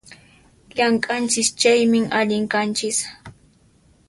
Llamk'anchis chaymi, allin kanchis